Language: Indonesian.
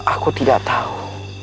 aku tidak tahu